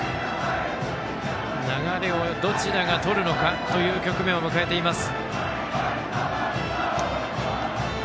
流れをどちらがとるのかという局面を迎えています。